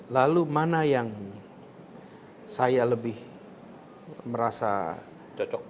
lalu mana yang saya lebih merasa cocok